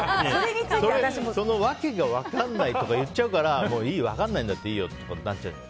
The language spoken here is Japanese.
そのわけが分からないとか言っちゃうから分からないならいいよってなっちゃう。